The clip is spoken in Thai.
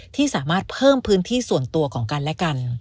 ที่สามารถเพิ่มพื้นที่ส่วนตัวของกันและกัน